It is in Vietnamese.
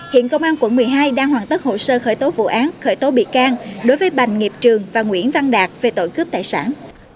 hiện công an quận một mươi hai đang hoàn tất hồ sơ khởi tố vụ án khởi tố bị can đối với bành nghiệp trường và nguyễn văn đạt về tội cướp tài sản